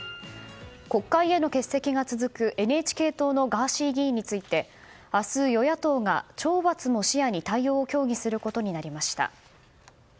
国会への欠席が続くＮＨＫ党のガーシー議員について明日、与野党が懲罰も視野に対応を協議することになりました。